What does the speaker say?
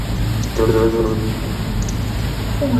亦是他们近年来赢得总冠军的重要因素。